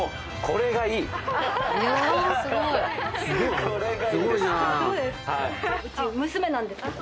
これがいいです。